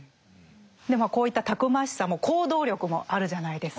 こういったたくましさも行動力もあるじゃないですか。